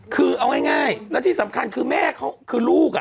คือเอาง่ายและที่สำคัญคือแม่ก็คือลูก